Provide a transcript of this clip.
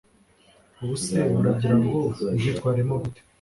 ubuse muragirango mbyitwaremo gute